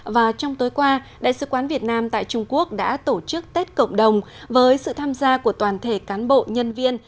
và trong tối qua đại sứ quán việt nam tại trung quốc đã tổ chức tết cộng đồng với sự tham gia của toàn thể cán bộ nhân viên